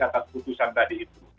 atas keputusan tadi itu